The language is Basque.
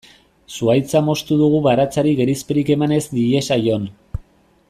Zuhaitza moztu dugu baratzari gerizperik eman ez diezaion.